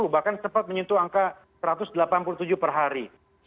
bahkan sempat menyentuh angka satu ratus delapan puluh tujuh per hari